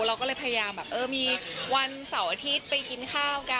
เราก็เลยพยายามแบบเออมีวันเสาร์อาทิตย์ไปกินข้าวกัน